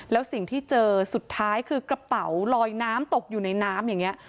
แล้วสิ่งที่เจอสุดท้ายคือกระเป๋าลอยน้ำตกอยู่ในน้ำอย่างนี้